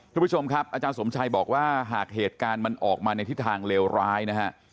คุณผู้ชมครับอาจารย์สมชัยบอกว่าหากเหตุการณ์มันออกมาในทิศทางเลวร้ายนะฮะ